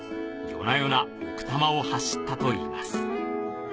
夜な夜な奥多摩を走ったといいます